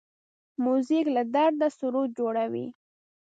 موزیک له درده سرود جوړوي.